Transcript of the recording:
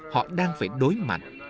họ đang phải đối mặt